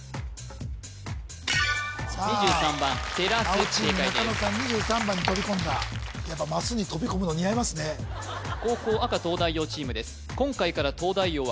青チーム中野さん２３番に飛び込んだやっぱマスに飛び込むの似合いますね後攻赤東大王チームです